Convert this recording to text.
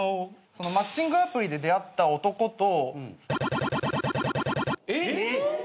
マッチングアプリで出会った男と。